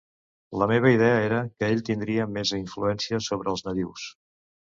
La meva idea era que ell tindria més influència sobre els nadius.